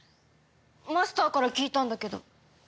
マスターから聞いたんだけど。